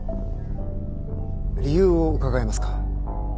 理由を伺えますか。